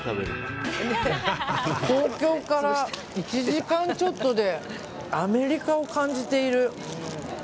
東京から１時間ちょっとでアメリカを感じている。